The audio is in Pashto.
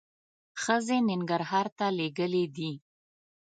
ښځې ننګرهار ته لېږلي دي.